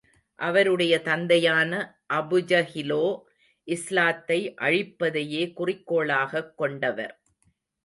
அவருடைய தந்தையான அபுஜஹிலோ, இஸ்லாத்தை அழிப்பதையே குறிக்கோளாகக் கொண்டவர்.